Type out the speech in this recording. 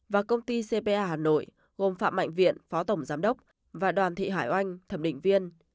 và công ty cpa hà nội gồm phạm mạnh viện phó tổng giám đốc và đoàn thị hải oanh thẩm định viên